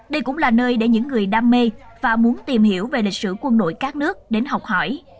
đây cũng là nơi để những người đam mê và muốn tìm hiểu về lịch sử quân đội các nước đến học hỏi